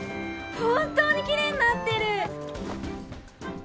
本当にきれいになってる！